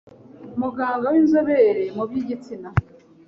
muganga w’inzobere mu by’igitsina